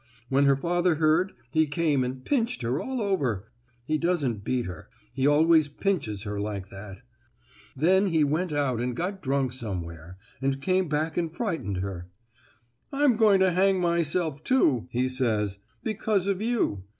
When her father heard, he came and pinched her all over—he doesn't beat her; he always pinches her like that,—then he went out and got drunk somewhere, and came back and frightened her. 'I'm going to hang myself too,' he says, 'because of you.